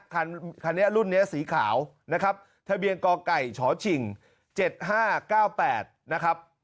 คันคันนี้รุ่นนี้สีขาวนะครับทะเบียนก่อไก่ฉอชิงเจ็ดห้าเก้าแปดนะครับ